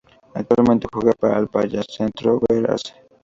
Actualmente juega para el Pallacanestro Varese.